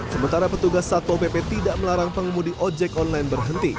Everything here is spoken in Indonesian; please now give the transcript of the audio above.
sementara petugas satpol pp tidak melarang pengemudi ojek online berhenti